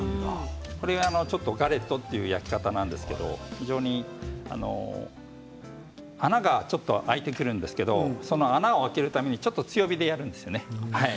ちょっとガレットという焼き方なんですけれども非常に穴が開いてくるんですけどその穴を開けるためにちょっと強火でやるんですよね。